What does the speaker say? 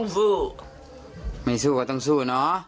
สู้สู้ต้องสู้